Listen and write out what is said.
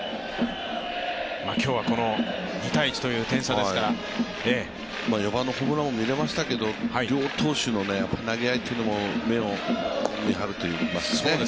今日はこの２−１という点差ですから４番のホームランを見れましたけど両投手の投げ合いというのも目を見張るといいますかね。